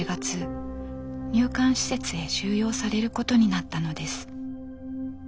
入管施設へ収容されることになったのです。